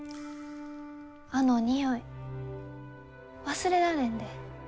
あの匂い忘れられんで。